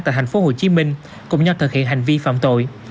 tại thành phố hồ chí minh cùng nhau thực hiện hành vi phạm tội